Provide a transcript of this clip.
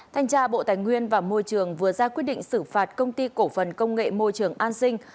thanh tra bộ tài nguyên và môi trường vừa ra quyết định xử phạt công ty cổ phần công nghệ môi trường an sinh